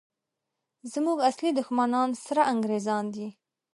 زموږ اصلي دښمنان سره انګریزان دي!